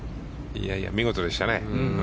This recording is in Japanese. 見事でしたね。